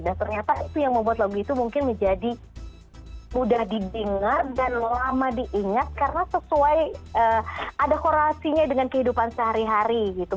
dan ternyata itu yang membuat lagu itu mungkin menjadi mudah didengar dan lama diingat karena sesuai ada korelasinya dengan kehidupan sehari hari gitu